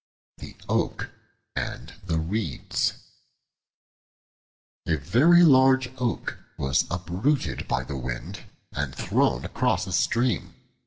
The Oak and the Reeds A VERY LARGE OAK was uprooted by the wind and thrown across a stream.